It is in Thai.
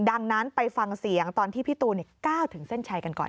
ดังนั้นไปฟังเสียงตอนที่พี่ตูนก้าวถึงเส้นชัยกันก่อน